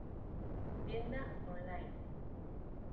Tienda Online